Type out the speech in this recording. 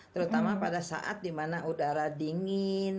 terutama pada saat di mana udara dingin